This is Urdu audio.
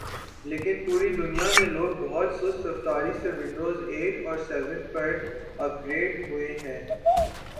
لیکن پوری دنیا میں لوگ بہت سست رفتاری سے ونڈوزایٹ اور سیون پر اپ گریڈ ہوہے ہیں